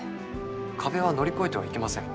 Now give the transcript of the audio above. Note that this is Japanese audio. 壁は乗り越えてはいけません。